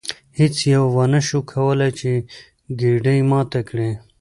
هیڅ یوه ونشوای کولی چې ګېډۍ ماته کړي.